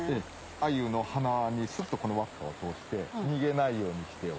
アユの鼻にスッとこの輪っかを通して逃げないようにして。